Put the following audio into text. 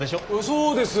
そうです。